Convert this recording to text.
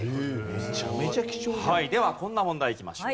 はいではこんな問題いきましょう。